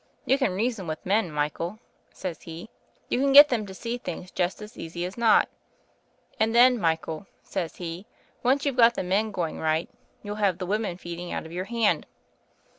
You can reason with men, Michael,' says he. 'You can get them to see things just as easy as not. And then, Michael,' says he, 'once you've got the men going right, you'll have the women feeding out of your hand.